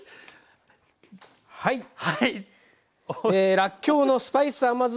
らっきょうのスパイス甘酢